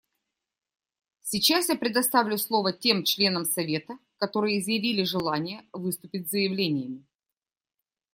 Сейчас я предоставлю слово тем членам Совета, которые изъявили желание выступить с заявлениями.